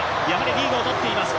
リードをとっています。